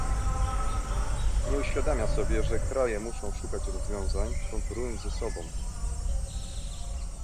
Nie uświadamia sobie, że kraje muszą szukać rozwiązań konkurując ze sobą